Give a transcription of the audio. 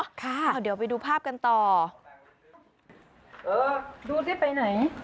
เอาเดี๋ยวไปดูภาพกันต่อเออดูสิไปไหน